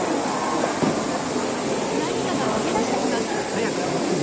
何かが飛び出してきます。